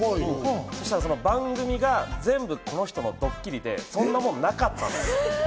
そしたら番組が全部この人のドッキリで、そんなものなかったんです。